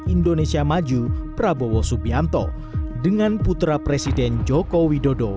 indonesia maju prabowo subianto dengan putra presiden joko widodo